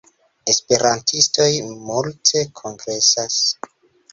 Esperantistoj multe kongresas.